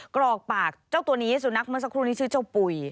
กรอกปากเจ้าตัวนี้สุนัขเมื่อสักครู่นี้ชื่อเจ้าปุ๋ย